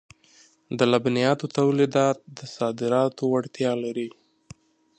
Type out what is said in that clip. د لبنیاتو تولیدات د صادراتو وړتیا لري.